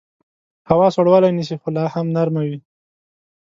هوا سوړوالی نیسي خو لاهم نرمه وي